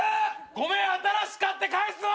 ごめん新しく買って返すわ！